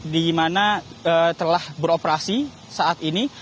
dimana telah beroperasi saat ini